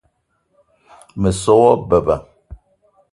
Me so wa beba